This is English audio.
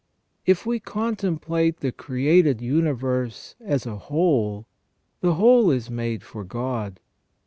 If we contemplate the created universe as a whole, the whole is made for God.